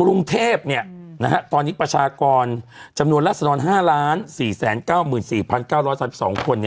กรุงเทพเนี่ยตอนนี้ประชากรจำนวนลักษณะ๕๔๙๔๙๓๒คน